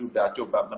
damai sampai u belum